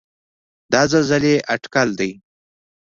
د زلزلې اټکل دی.